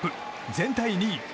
全体２位。